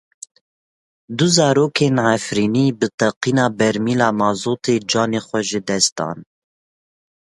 Du zarokên Efrînê bi teqîna bermîla mazotê canê xwe ji dest dan.